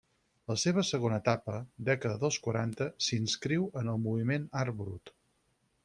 La seva segona etapa, dècada dels quaranta s'inscriu en el moviment Art brut.